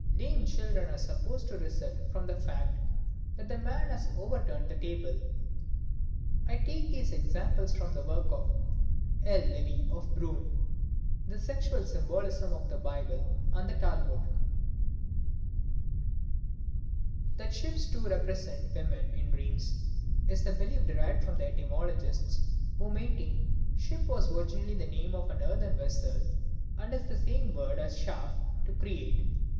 Lame children are supposed to result from the fact that the man has overturned the table. I take these examples from a work by L. Levy of Brünn, The Sexual Symbolism of the Bible and the Talmud. That ships, too, represent women in dreams is a belief derived from the etymologists, who maintain "ship" was originally the name of an earthen vessel and is the same word as Schaff (to create).